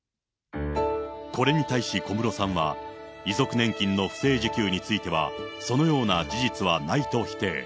これに対し小室さんは、遺族年金の不正受給については、そのような事実はないと否定。